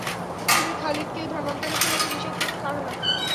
তুমি খালিদকে ধর্মান্তরিত হতে নিষেধ করতে পার না।